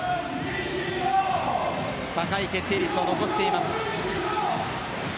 高い決定率を残しています。